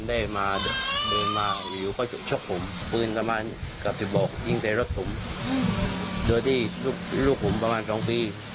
ปืนสำมารถกับทีบบ่อกยิงใส่รถผมโดยที่ลูกผมประมาณ๒ปี